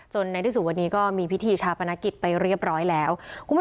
จนในที่สุดวันนี้ก็มีพิธีชาปนกิจไปเรียบร้อยแล้ว